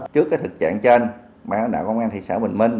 trước cái thực trạng trên bán đạo công an thị xã bình minh